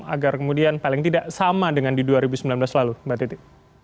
agar kemudian paling tidak sama dengan di dua ribu sembilan belas lalu mbak titi